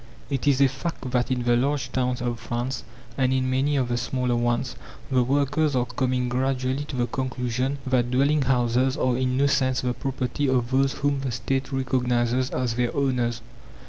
It is a fact that in the large towns of France, and in many of the smaller ones, the workers are coming gradually to the conclusion that dwelling houses are in no sense the property of those whom the State recognizes as their owners.